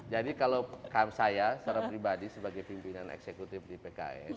kalau saya secara pribadi sebagai pimpinan eksekutif di pks